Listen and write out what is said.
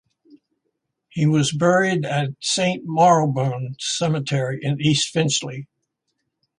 He was buried at Saint Marylebone Cemetery in East Finchley.